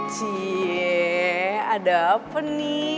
cie ada apa nih